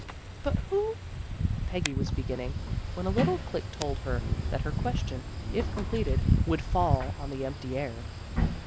" But who ' Peggy was beginning, when a little click told her that her question, if com pleted, would fall on the empty air.